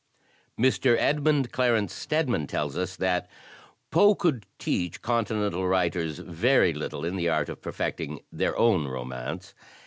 Mr. Edmund Clarence Stedman tells us that, "Poe could teach Continental writers very little in the art of perfecting their own romance.